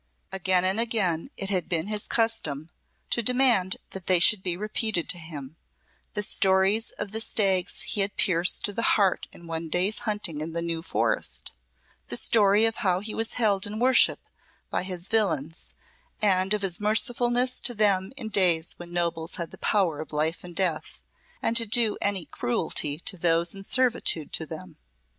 Again and again it had been his custom to demand that they should be repeated to him the stories of the stags he had pierced to the heart in one day's hunting in the New Forest the story of how he was held in worship by his villeins, and of his mercifulness to them in days when nobles had the power of life and death, and to do any cruelty to those in servitude to them.